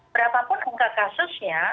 berapapun angka kasusnya